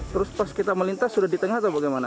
terus pas kita melintas sudah di tengah atau bagaimana